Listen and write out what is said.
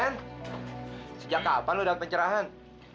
kan sejak kapan lo udah pencerahan